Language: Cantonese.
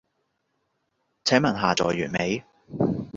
請問下載完未？